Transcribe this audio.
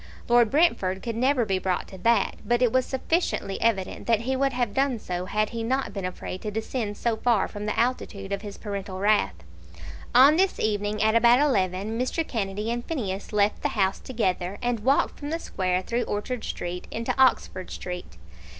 Lord Brentford could never be brought to that; but it was sufficiently evident that he would have done so, had he not been afraid to descend so far from the altitude of his paternal wrath. On this evening, at about eleven, Mr. Kennedy and Phineas left the house together, and walked from the Square through Orchard Street into Oxford Street.